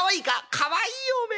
「かわいいよおめえ。